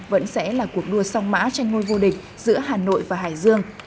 vẫn sẽ là cuộc đua song mã tranh ngôi vô địch giữa hà nội và hải dương